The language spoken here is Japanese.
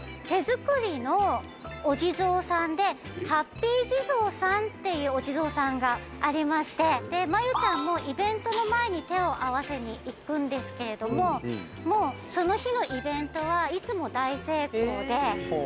手作りのお地蔵さんでハッピー地蔵さんっていうお地蔵さんがありましてでまゆちゃんもイベントの前に手を合わせに行くんですけれどもその日のイベントはいつも大成功で。